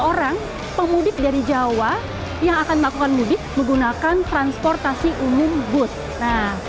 orang pemudik dari jawa yang akan melakukan mudik menggunakan transportasi umum bud nah